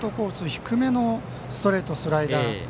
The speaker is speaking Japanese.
低めのストレートスライダー。